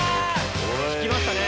効きましたね。